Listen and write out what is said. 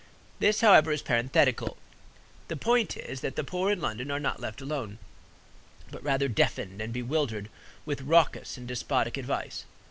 This, however, is parenthetical. The point is, that the poor in London are not left alone, but rather deafened and bewildered with raucous and despotic advice.